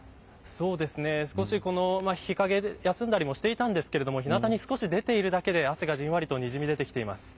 日陰で休んだりもしていましたが、日なたに少し出ているだけで、汗がじわりとにじみ出てきています。